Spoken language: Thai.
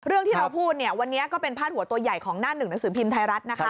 เรื่องที่เราพูดเนี่ยวันนี้ก็เป็นพาดหัวตัวใหญ่ของหน้าหนึ่งหนังสือพิมพ์ไทยรัฐนะคะ